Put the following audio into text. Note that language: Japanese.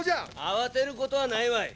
慌てることはないわい。